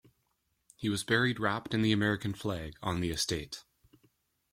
He was buried wrapped in the American flag, on the estate.